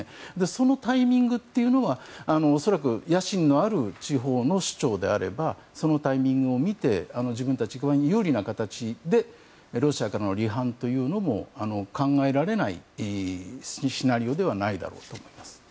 そのタイミングというのは恐らく野心のある地方の首長であればそのタイミングを見て自分たちに有利な形でロシアからの離反というのも考えられないシナリオではないだろうと思います。